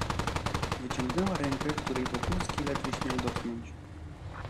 "Wyciągnęła rękę, której Wokulski ledwie śmiał dotknąć."